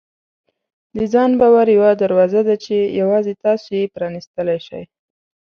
د ځان باور یوه دروازه ده چې یوازې تاسو یې پرانیستلی شئ.